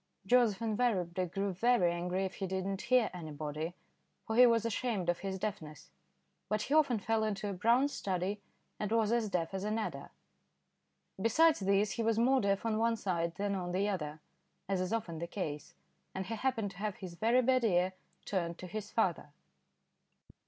Joseph invariably grew very angry if he did not hear anybody, for he was ashamed of his deafness; but he often fell into a brown study and was as deaf as an adder. Besides this he was more deaf on one side than on the other, as is often the case, and he happened to have his very bad ear turned to his father.